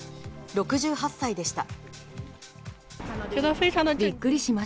６８歳でした。